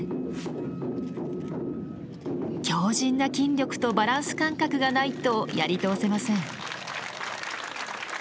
強じんな筋力とバランス感覚がないとやり通せません。